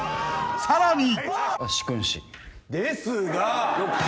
［さらに］